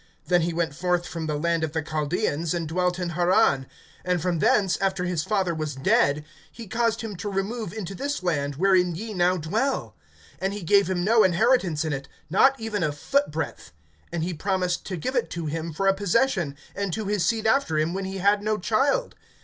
(4)Then he went forth from the land of the Chaldaeans, and dwelt in Haran; and from thence, after his father was dead, he caused him to remove into this land, wherein ye now dwell. (5)And he gave him no inheritance in it, not even a foot breadth; and he promised to give it to him for a possession, and to his seed after him, when he had no child.